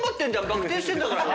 バク転してんだから。